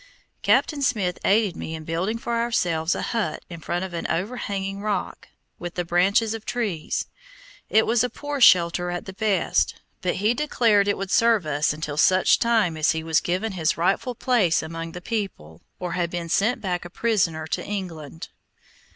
Captain Smith aided me in building for ourselves a hut in front of an overhanging rock, with the branches of trees. It was a poor shelter at the best; but he declared it would serve us until such time as he was given his rightful place among the people, or had been sent back a prisoner to England.